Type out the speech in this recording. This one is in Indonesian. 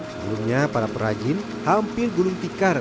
sebelumnya para perajin hampir gulung tikar